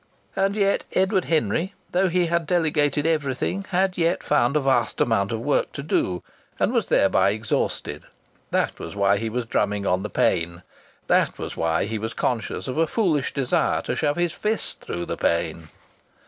And yet Edward Henry, though he had delegated everything, had yet found a vast amount of work to do; and was thereby exhausted. That was why he was drumming on the pane. That was why he was conscious of a foolish desire to shove his fist through the pane.